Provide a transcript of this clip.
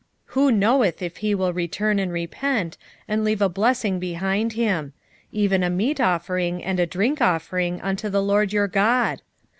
2:14 Who knoweth if he will return and repent, and leave a blessing behind him; even a meat offering and a drink offering unto the LORD your God?